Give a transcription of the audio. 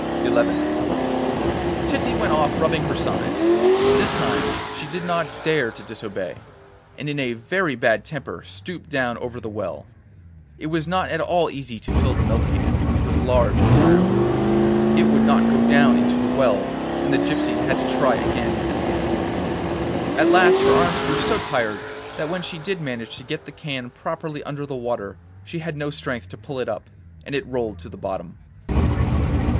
XI Titty went off rubbing her sides; but this time she did not dare to disobey, and in a very bad temper stooped down over the well. It was not at all easy to fill the milk can, which was large and round. It would not go down into the well, and the gypsy had to try again and again. At last her arms grew so tired that when she did manage to get the can properly under the water she had no strength to pull it up, and it rolled to the bottom.